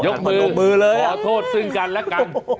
ยกมือขอโทษซึ่งกันแล้วกัน